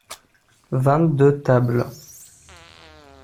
Vingt-deux tables.